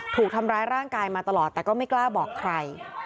ถูกทำร้ายร่างกายมาตลอดแต่ก็ไม่กล้าบอกใคร